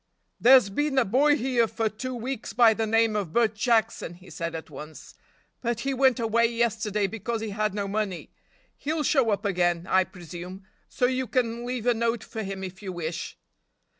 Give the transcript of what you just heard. "There's been a boy here for two weeks by the name of Bert Jackson," he said at once, "but he went away yesterday because he had no money. He'll show up again, I presume, so you can leave a note for him if you wish."